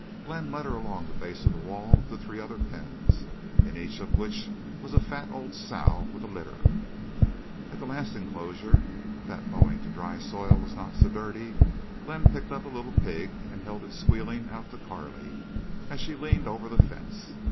Glenn led her along the base of the wall to three other pens, in each of which was a fat old sow with a litter. And at the last enclosure, that owing to dry soil was not so dirty, Glenn picked up a little pig and held it squealing out to Carley as she leaned over the fence.